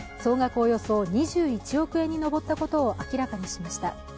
およそ２１億円に上ったことを明らかにしました。